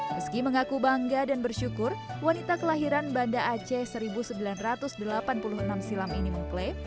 meski mengaku bangga dan bersyukur wanita kelahiran banda aceh seribu sembilan ratus delapan puluh enam silam ini mengklaim